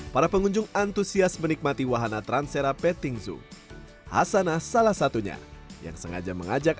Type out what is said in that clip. para pengunjung antusias menikmati wahana transera pettingzoo hasana salah satunya yang sengaja mengajak